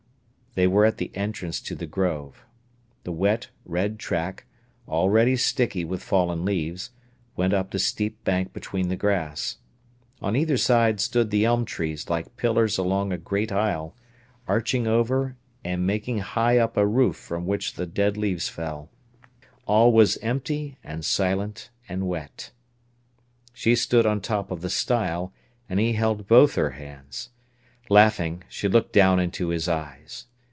They were at the entrance to the Grove. The wet, red track, already sticky with fallen leaves, went up the steep bank between the grass. On either side stood the elm trees like pillars along a great aisle, arching over and making high up a roof from which the dead leaves fell. All was empty and silent and wet. She stood on top of the stile, and he held both her hands. Laughing, she looked down into his eyes.